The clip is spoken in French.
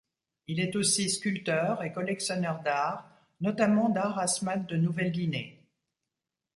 Il est aussi sculpteur et collectionneur d'arts, notamment d'art asmat de Nouvelle-Guinée.